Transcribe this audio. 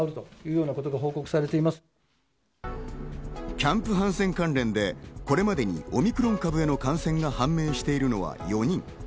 キャンプ・ハンセン関連でこれまでにオミクロン株への感染が判明しているのは４人。